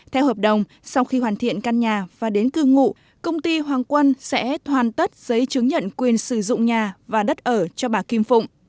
theo hợp đồng sau khi hoàn thiện căn nhà và đến cư ngụ công ty hoàng quân sẽ hoàn tất giấy chứng nhận quyền sử dụng nhà và đất ở cho bà kim phụng